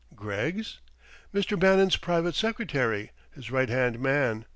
"Greggs?" "Mr. Bannon's private secretary his right hand man.